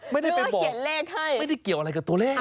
ไม่ได้ไปบอกเลขให้ไม่ได้เกี่ยวอะไรกับตัวเลข